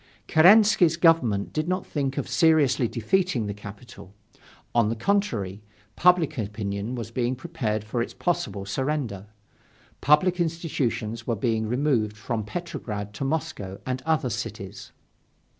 Kerensky's government did not think of seriously defending the capital. On the contrary, public opinion was being prepared for its possible surrender. Public institutions were being removed from Petrograd to Moscow and other cities.